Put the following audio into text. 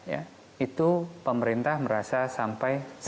yang ini masih dianggap kualitas